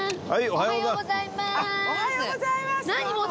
おはようございますどうも。